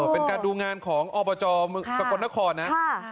เป็นการดูงานของอบจสกลนครนะ